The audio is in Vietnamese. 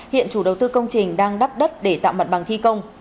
hiện chủ đầu tư công trình đang đắp đất để tạo mặt bằng thi công